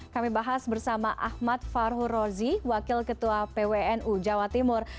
kami bahas bersama ahmad farhu rozi wakil ketua pwnu jawa timur